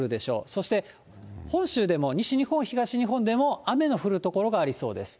そして、本州でも、西日本、東日本でも雨の降る所がありそうです。